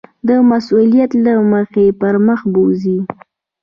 د مسؤلیت له مخې پر مخ بوځي.